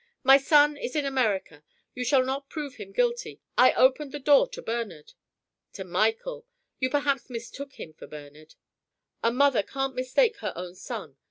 "My son is in America. You shall not prove him guilty. I opened the door to Bernard." "To Michael. You perhaps mistook him for Bernard." "A mother can't mistake her own son.